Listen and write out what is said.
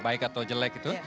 baik atau jelek gitu